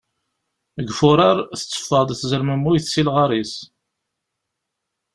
Deg furar, tetteffeɣ-d tzermemmuyt si lɣar-is.